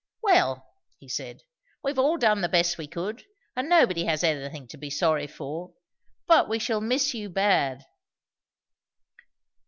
"Well," he said, "we've all done the best we could; and nobody has anything to be sorry for. But we shall miss you, bad!"